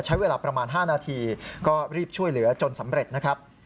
ใช้เวลาประมาณ๕นาทีก็รีบช่วยเหลือจนสำเร็จนะครับ